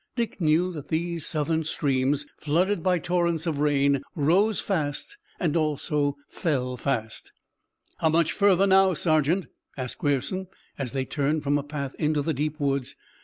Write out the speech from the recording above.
Dick knew that these Southern streams, flooded by torrents of rain, rose fast and also fell fast. "How much further now, sergeant?" asked Grierson, as they turned from a path into the deep woods.